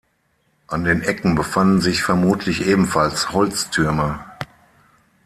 An den Ecken befanden sich vermutlich ebenfalls Holztürme.